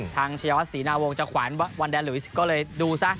ทางเชียวศรีนาวงศ์จะขวางวันแดนหรือวิสิกก็เลยดูซะ